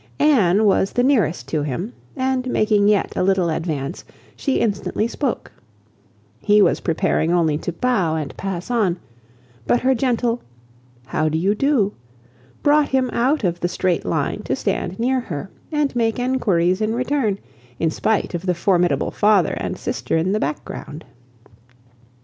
Anne was the nearest to him, and making yet a little advance, she instantly spoke. He was preparing only to bow and pass on, but her gentle "How do you do?" brought him out of the straight line to stand near her, and make enquiries in return, in spite of the formidable father and sister in the back ground.